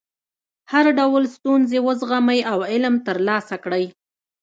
هر ډول ستونزې وزغمئ او علم ترلاسه کړئ.